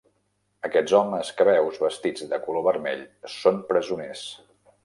Aquests homes que veus vestits de color vermell són presoners.